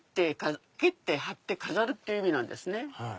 切って貼って飾るっていう意味なんですね。